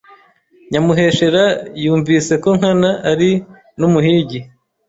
Nyamuheshera yumvise ko Nkana ari n’umuhigi